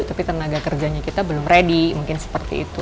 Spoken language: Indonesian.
tapi tenaga kerjanya kita belum ready mungkin seperti itu